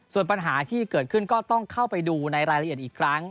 ส่วนปัญหาที่เกิดขึ้นก็ต้องเข้าไปดูในรายละเอียดอีกครั้ง